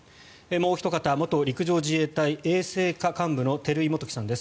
もうおひと方元陸上自衛隊衛生科幹部の照井資規さんです。